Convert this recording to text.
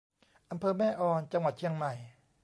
อำเภอแม่ออน จังหวัดเชียงใหม่